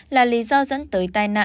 là lý do dẫn tới tai nạn tại mure